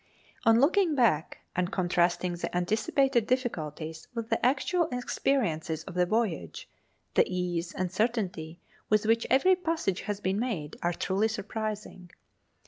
On looking back, and contrasting the anticipated difficulties with the actual experiences of the voyage, the ease and certainty with which every passage has been made are truly surprising.